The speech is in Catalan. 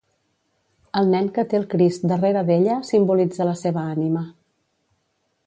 El nen que té el Crist darrere d'ella simbolitza la seva ànima.